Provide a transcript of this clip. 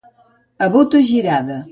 A bota girada.